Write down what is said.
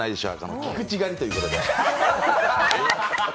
菊地狩りということで。